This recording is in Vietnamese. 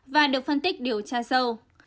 và được phân tích điều tra sâu